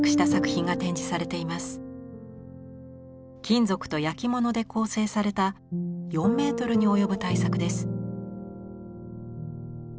金属と焼き物で構成された４ｍに及ぶ大作です。